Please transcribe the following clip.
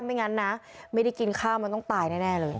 ไม่งั้นนะไม่ได้กินข้าวมันต้องตายแน่เลย